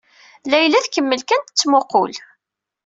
Layla tkemmel kan tettmuqqul.